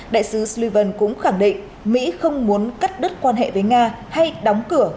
đại sứ slyvan cũng khẳng định mỹ không muốn cắt đứt quan hệ với nga hay đóng cửa